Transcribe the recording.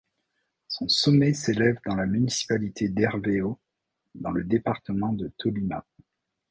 Son sommet s'élève dans la municipalité d'Herveo, dans le département de Tolima.